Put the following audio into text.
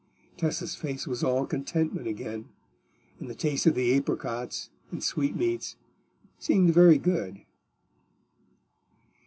Tessa's face was all contentment again, and the taste of the apricots and sweetmeats seemed very good.